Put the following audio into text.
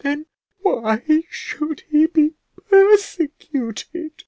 "Then why should he be persecuted?"